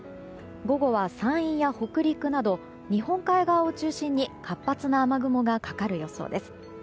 午後は山陰や北陸など日本海側を中心に活発な雨雲がかかる予想です。